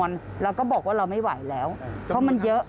เราก็บอกว่าเราไม่ไหวแล้วเพราะมันเยอะ